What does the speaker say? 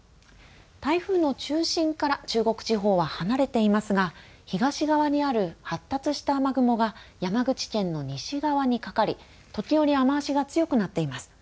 台風の中心から中国地方は離れていますが東側にある発達した雨雲が山口県の西側にかかり、時折、雨足が強くなっています。